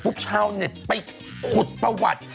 ปุ๊บชาวเชนไปขดประวัติ